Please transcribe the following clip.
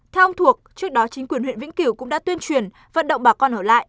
theo ông thuộc trước đó chính quyền huyện vĩnh cửu cũng đã tuyên truyền vận động bà con ở lại